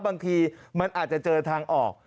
บางทีมันอาจจะเจอทางออก